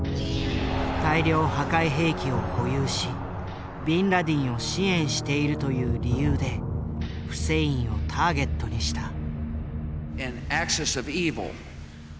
大量破壊兵器を保有しビンラディンを支援しているという理由でフセインをターゲットにした。